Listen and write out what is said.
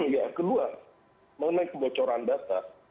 yang kedua mengenai kebocoran data